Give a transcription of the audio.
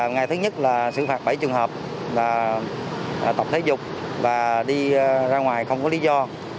ngày thứ nhất là xử phạt bảy trường hợp là tập thể dục và đi ra ngoài không có lý do